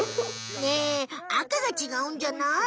ねえあかがちがうんじゃない？